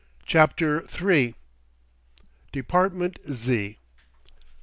CHAPTER III DEPARTMENT Z.